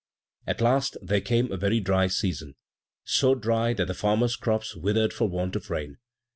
At last, there came a very dry season, so dry that the farmer's crops withered for want of rain.